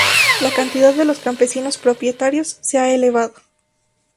La cantidad de los campesinos propietarios se ha elevado.